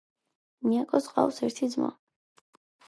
ნიაკოს ჰყავს ერთი ძმა